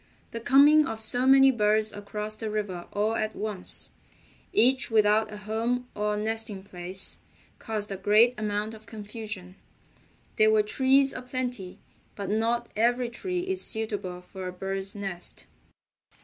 The coming of so many birds across the river all at once, each without a home or nesting place, caused a great amount of confusion. There were trees aplenty, but not every tree is suitable for a bird's nest.